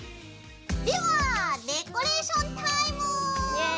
ではデコレーションタイムー！